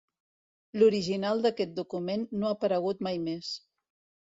L'original d'aquest document no ha aparegut mai més.